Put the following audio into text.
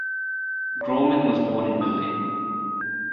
Grolman was born in Berlin.